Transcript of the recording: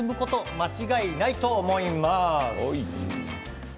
間違いないと思います。